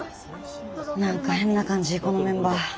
何か変な感じこのメンバー。